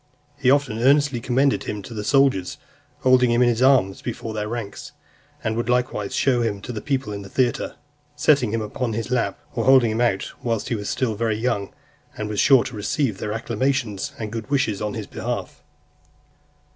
He often earnestly commended him to the soldiers, holding him in his arms before their ranks; and would likewise show him to the people in the theatre, setting him upon his lap, or holding him out whilst he was still very young; and was sure to receive their acclamations, and good wishes on his behalf.